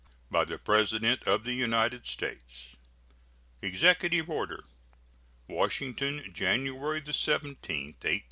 BY THE PRESIDENT OF THE UNITED STATES. EXECUTIVE ORDER. WASHINGTON, January 17, 1873.